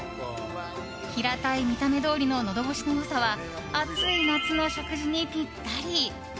平たい見た目どおりののどごしの良さは暑い夏の食事にぴったり。